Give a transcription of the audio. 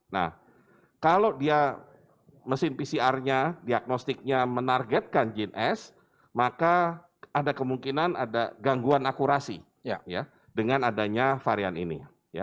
nah kalau dia mesin pcr nya diagnostiknya menargetkan jin s maka ada kemungkinan ada gangguan akurasi dengan adanya varian ini